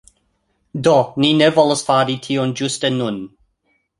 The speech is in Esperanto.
Do, ni ne volas fari tion ĝuste nun